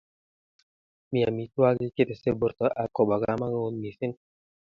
mi amitwangik chetese borto ak kobo kamangut mising